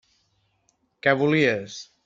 Què volies?